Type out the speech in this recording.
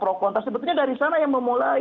jadi ada pro kontra sebetulnya dari sana yang memulai